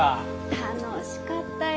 楽しかったよ。